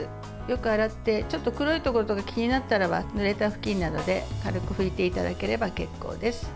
よく洗って、ちょっと黒いところが気になったらぬれた布巾などで軽く拭いていただければ結構です。